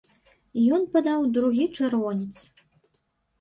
Ён падаў другі чырвонец.